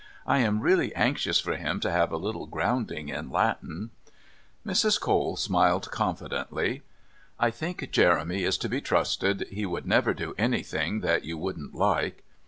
I am really anxious for him to have a little grounding in Latin." Mrs. Cole smiled confidently. "I think Jeremy is to be trusted. He would never do anything that you wouldn't like."